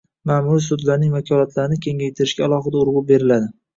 ma’muriy sudlarning vakolatlarini kengaytirishga alohida urg‘u beriladi.